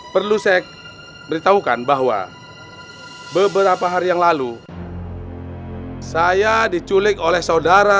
perlu saya beritahukan bahwa beberapa hari yang lalu saya diculik oleh saudara